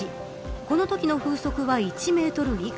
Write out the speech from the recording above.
このときの風速は１メートル以下。